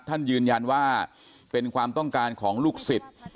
ท่านยืนยันว่าเป็นความต้องการของลูกศิษย์